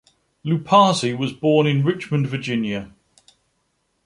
Loupassi was born in Richmond, Virginia.